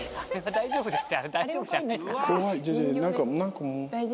大丈夫ですか？